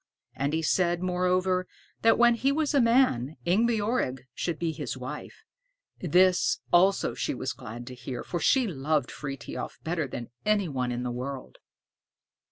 And he said, moreover, that when he was a man, Ingebjorg should be his wife. This also she was glad to hear, for she loved Frithiof better than any one in the world.